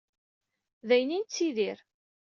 D ayen i nettidir.